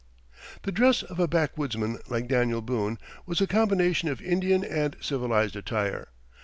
The dress of a backwoodsman like Daniel Boone was a combination of Indian and civilized attire.